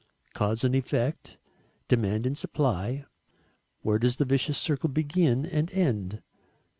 Cause and effect, demand and supply, where does the vicious circle begin and end?